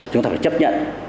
chúng ta phải chấp nhận